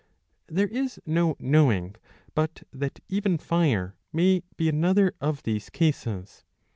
'^ There is no knowing but that even fire may be another of these cases.